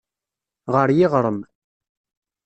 Ɣer yiɣrem.